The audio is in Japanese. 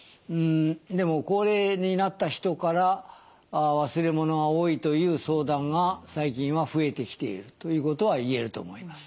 でも高齢になった人から忘れ物が多いという相談が最近は増えてきているということは言えると思います。